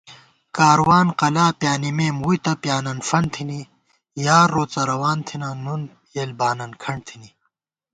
کاروان قافلا پیانِمېم ووئی تہ پیانَن فنت تھنی * یار روڅہ روان تھنہ نُن یېل بانن کھنٹ تھنی